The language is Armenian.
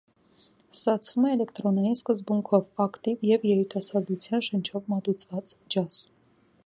Ստացվում է էլեկտրոնային սկզբունքով, ակտիվ և երիտասարդության շնչով մատուցված ջազ։